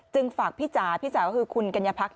ฝากพี่จ๋าพี่จ๋าคือคุณกัญญาพัก